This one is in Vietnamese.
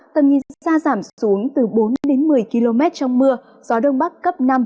tầm nhìn xa giảm xuống từ bốn đến một mươi km trong mưa gió đông bắc cấp năm